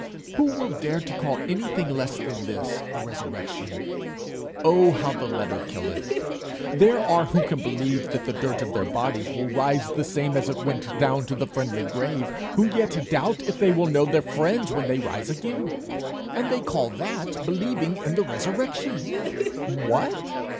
Who will dare to call anything less than this a resurrection? Oh, how the letter killeth! There are who can believe that the dirt of their bodies will rise the same as it went down to the friendly grave, who yet doubt if they will know their friends when they rise again. And they call that believing in the resurrection! What!